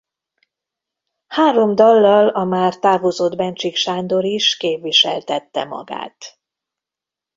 Három dallal a már távozott Bencsik Sándor is képviseltette magát.